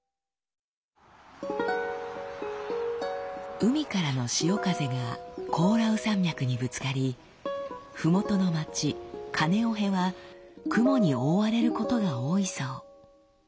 海からの潮風がコオラウ山脈にぶつかりふもとの町カネオヘは雲に覆われることが多いそう。